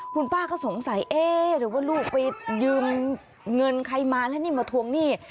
คุณป้าก็สงสัยเอ๊ะหรือว่าลูกไปยืมเงินใครมาแล้วนี่มาทวงหนี้